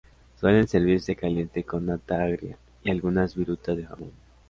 Suelen servirse caliente con nata agria, y algunas virutas de jamón.